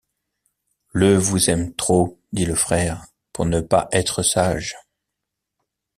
Ie vous ayme trop, dit le frère, pour ne pas estre saige.